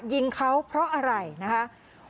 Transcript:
ยิงเขาเพราะอะไรนะคะ